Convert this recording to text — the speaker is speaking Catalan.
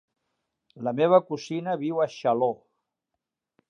La meva cosina viu a Xaló.